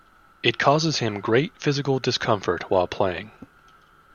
It causes him great physical discomfort while playing.